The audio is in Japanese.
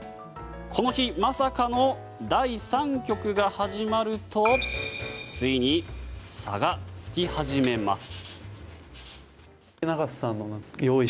この日、まさかの第３局が始まるとついに差がつき始めます。